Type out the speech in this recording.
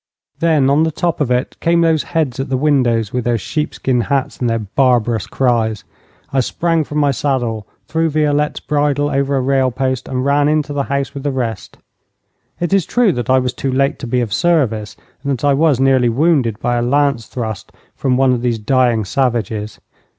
Then on the top of it came those heads at the windows, with their sheepskin hats and their barbarous cries. I sprang from my saddle, threw Violette's bridle over a rail post, and ran into the house with the rest. It is true that I was too late to be of service, and that I was nearly wounded by a lance thrust from one of these dying savages.